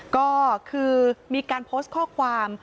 ก็คือมีการโพสต์ข้อความ